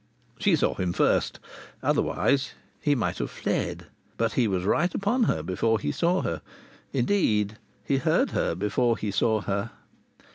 She saw him first. Otherwise he might have fled. But he was right upon her before he saw her. Indeed, he heard her before he saw her.